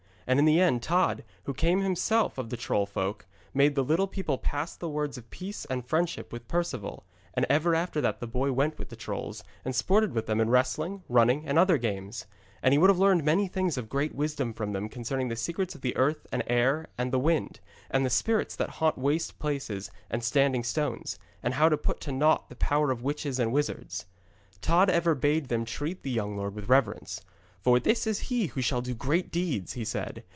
And in the end Tod, who came himself of the troll folk, made the little people pass the words of peace and friendship with Perceval, and ever after that the boy went with the trolls, and sported with them in wrestling, running and other games; and he learned many things of great wisdom from them concerning the secrets of the earth and air and the wind, and the spirits that haunt waste places and standing stones, and how to put to naught the power of witches and wizards. Tod ever bade them treat the young lord with reverence. 'For this is he who shall do great deeds,' he said.